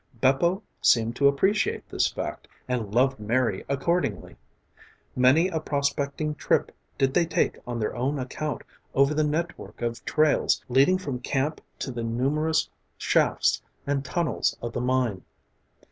Bepo seemed to appreciate this fact and loved Mary accordingly. Many a prospecting trip did they take on their own account over the network of trails leading from camp to the numerous shafts and tunnels of the mine.